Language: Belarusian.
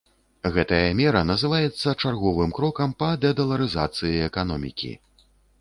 Гэтая мера называецца чарговым крокам па дэдаларызацыі эканомікі.